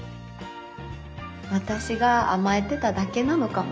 私が甘えてただけなのかも。